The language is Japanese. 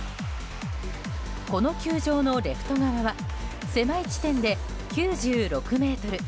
この球場のレフト側は狭い地点で９６ｍ。